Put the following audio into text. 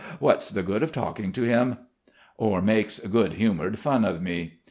What's the good of talking to him?"), or makes good humoured fun of me.